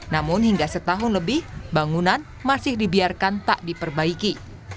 namun hingga setahun lebih bangunan masih dibiarkan tak diperbaiki